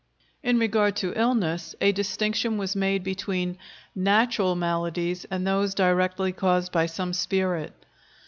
In regard to illness, a distinction was made between "natural" maladies and those directly caused by some spirit.